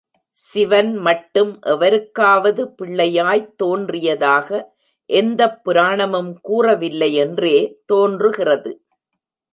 சிவன் மட்டும் எவருக்காவது பிள்ளையாய்த் தோன்றியதாக எந்தப் புராணமும் கூறவில்லை என்றே தோன்றுகிறது.